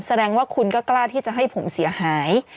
แสดงว่าคุณก็กล้าที่จะให้ผมเสียหาย